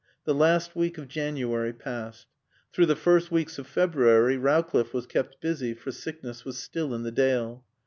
The last week of January passed. Through the first weeks of February Rowcliffe was kept busy, for sickness was still in the Dale.